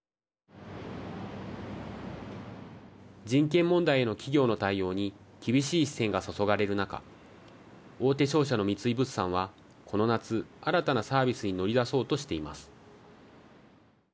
人権問題への企業の対応に厳しい視線が注がれる中大手商社の三井物産はこの夏、新たなサービスに乗りだそうとしています。